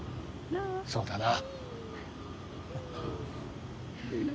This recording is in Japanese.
そうだな。